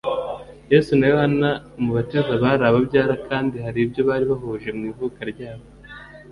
Yesu na Yohana Umubatiza bari ababyara, kandi hari ibyo bari bahuje mw'ivuka ryabo ;